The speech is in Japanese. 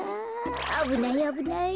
あぶないあぶない。